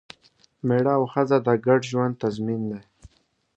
مېړه او ښځه د ګډ ژوند تضمین دی.